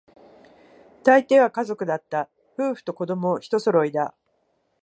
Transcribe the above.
大抵は家族だった、夫婦と子供、一揃いだ